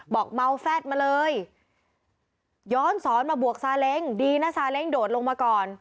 บอกเมาแฟดมาเลยย้อนสอนมาบวกซาเล้งดีนะซาเล้งโดดลงมาก่อน